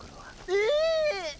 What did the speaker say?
え！